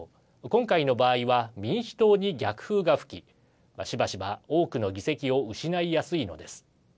今回の場合は民主党に逆風が吹きしばしば、多くの議席を失いやすいのです。